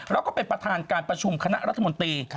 แล้วก็เป็นประธานการประชุมคณะรัฐมนตรี